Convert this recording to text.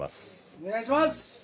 お願いします！